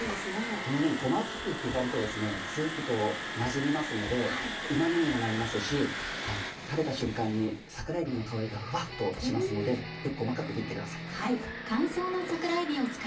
このように細かく刻むとスープとなじみますのでうま味にもなりますし食べた瞬間に桜えびの香りがふわっとしますので細かく切ってください。